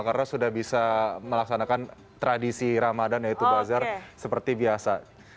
karena sudah bisa melaksanakan tradisi ramadan yaitu bazar seperti biasa